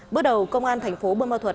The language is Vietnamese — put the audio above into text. bước đầu công an thành phố buôn ma thuật